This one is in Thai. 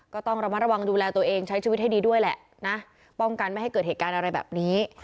ก็ต้องระมัดระวังดูแลตัวเองใช้ชีวิตให้ดีด้วยแหละนะป้องกันไม่ให้เกิดเหตุการณ์อะไรแบบนี้